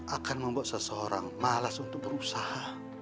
akan membuat seseorang malas untuk berusaha